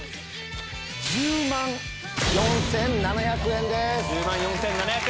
１０万４７００円です。